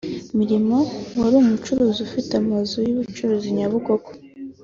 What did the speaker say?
Milimo wari umucuruzi ufite amazu y’ubucuruzi Nyabugogo